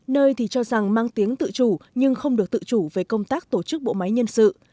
nơi thì cho rằng mang tiếng tự chủ nhưng không được tự chủ về công tác tổ chức bộ máy nhân sự